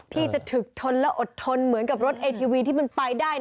พี่จะถึงแล้วอดทนเหมือนบริเวณรถเอทีวีที่มันปลายได้